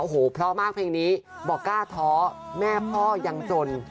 โอ้โหเพราะมากเพลงนี้บอกกล้าท้อแม่พ่อยังจน